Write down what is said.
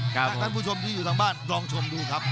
จังหล่างผู้ชมอยู่ช่างบ้านรอชมดูนะครับ